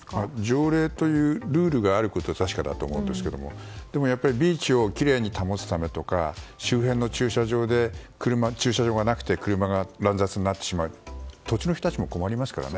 条例というルールがあることは確かだと思うんですがでもやっぱりビーチをきれいに保つためとか周辺に駐車場がなくて車が乱雑になってしまうと土地の人たちも困りますからね。